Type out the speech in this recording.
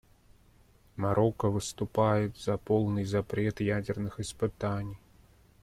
Марокко выступает за полный запрет ядерных испытаний.